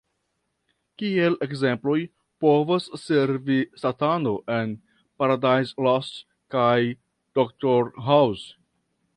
Kiel ekzemploj povas servi Satano en "Paradise Lost" kaj Dr. House.